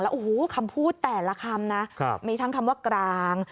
โอ้โหคำพูดแต่ละคำนะมีทั้งคำว่ากลาง